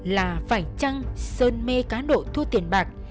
là phải chăng sơn mê cá nộ thua tiền bạc